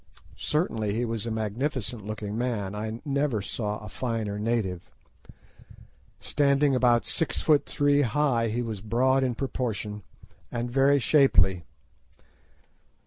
Certainly he was a magnificent looking man; I never saw a finer native. Standing about six foot three high he was broad in proportion, and very shapely.